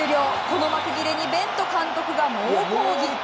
この幕切れにベント監督が猛抗議。